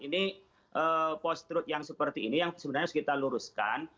ini post truth yang seperti ini yang sebenarnya harus kita luruskan